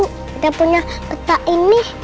kita punya peta ini